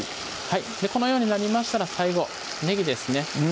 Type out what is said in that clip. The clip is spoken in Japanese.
はいこのようになりましたら最後ねぎですね